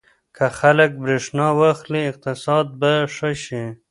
که خلک برېښنا واخلي اقتصاد به ښه شي.